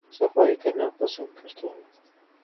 صفائی کرنا پسند کرتا ہوں